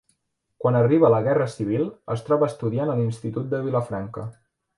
Quan arriba la Guerra Civil es troba estudiant a l'institut de Vilafranca.